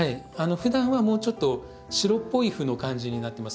ふだんはもうちょっと白っぽい斑の感じになってます。